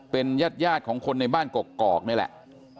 เป็นญาติของคนในบ้านกอกนี่แหละ